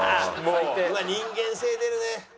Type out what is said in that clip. うわ人間性出るね。